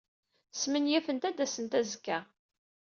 Smenyafent ad d-asent azekka.